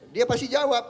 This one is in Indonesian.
dia pasti jawab